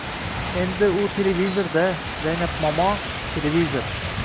— Endi, u televizor-da, Zaynab momo, televizor.